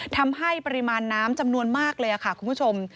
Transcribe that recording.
ทำให้ปริมาณน้ำจำนวนมากเลยค่ะคุณผู้ชม